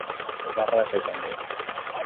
Ez da erraza izango.